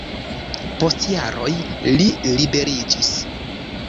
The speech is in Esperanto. Post jaroj li liberiĝis.